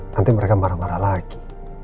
nanti mereka marah marah lagi